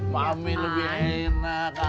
mami lebih enak